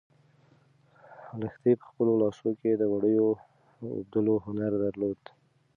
لښتې په خپلو لاسو کې د وړیو د اوبدلو هنر درلود.